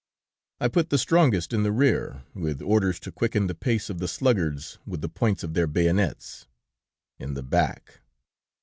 I put the strongest in the rear, with orders to quicken the pace of the sluggards with the points of their bayonets... in the back.